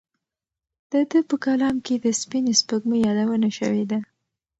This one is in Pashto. د ده په کلام کې د سپینې سپوږمۍ یادونه شوې ده.